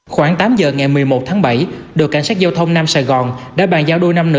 khoảng tám giờ ngày một mươi một tháng bảy đội cảnh sát giao thông nam sài gòn đã bàn giao đôi nam nữ